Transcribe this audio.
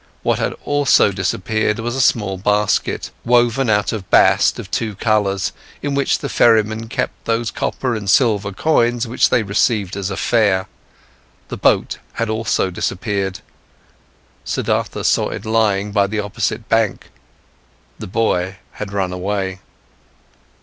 What had also disappeared was a small basket, woven out of bast of two colours, in which the ferrymen kept those copper and silver coins which they received as a fare. The boat had also disappeared, Siddhartha saw it lying by the opposite bank. The boy had run away.